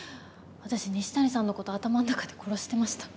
私西谷さんのこと頭の中で殺してました。